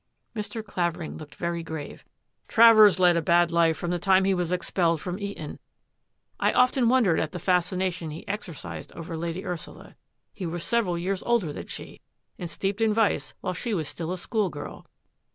Mr. Clavering looked very grave. " Travers led a bad life from the time he was expelled from Eton. I often wondered at the fascination he exercised over Lady Ursula. He was several years older than she and steeped in vice while she was still a schoolgirl.